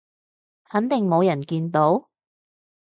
肯定冇人見到？